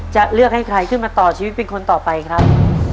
จะเลือกให้ใครขึ้นมาต่อชีวิตเป็นคนต่อไปครับ